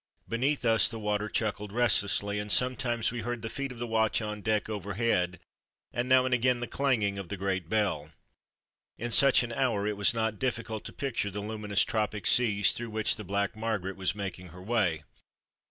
Beneath us the water chuckled 6 THE DAY BEFORE YESTERDAY restlessly, and sometimes we heard the feet of the watch on deck overhead, and now and again the clanging of the great bell. In such an hour it was not difficult to picture the luminous tropic seas through which the Black Margaret was making her way.